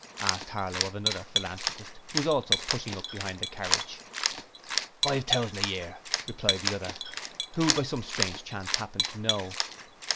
asked Harlow of another Philanthropist who was also pushing up behind the carriage. 'Five thousand a year,' replied the other, who by some strange chance happened to know.